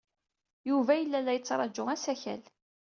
Yuba yella la yettṛaju asakal.